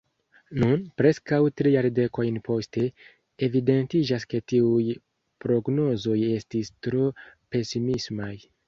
Nun, preskaŭ tri jardekojn poste, evidentiĝas ke tiuj prognozoj estis tro pesimismaj.